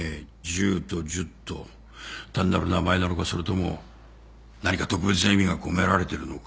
ジュートジュット単なる名前なのかそれとも何か特別な意味が込められてるのか。